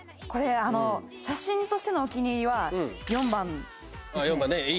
これ写真としてのお気に入りは４番ですね